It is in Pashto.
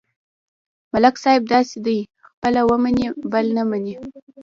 ملک صاحب داسې دی: خپله ومني، د بل نه مني.